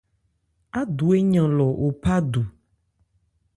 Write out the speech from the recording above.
Ádu éyan lɔ o phá du.